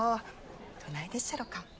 どないでっしゃろか？